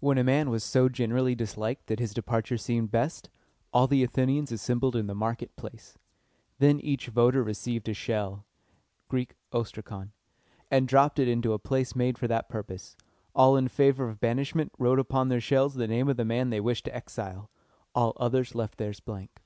When a man was so generally disliked that his departure seemed best, all the Athenians assembled in the market place. Then each voter received a shell (Greek, ostrakon), and dropped it into a place made for that purpose. All in favor of banishment wrote upon their shells the name of the man they wished to exile. The others left theirs blank.